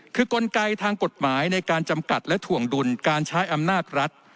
คือกลไกทางกฎหมายในการจำกัดและถ่วงดุลการใช้อำนาจรัฐ